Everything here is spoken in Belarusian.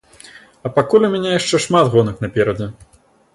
А пакуль у мяне яшчэ шмат гонак наперадзе.